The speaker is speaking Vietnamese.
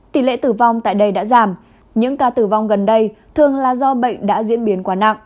tỷ lệ tử vong tại đây đã giảm những ca tử vong gần đây thường là do bệnh đã diễn biến quá nặng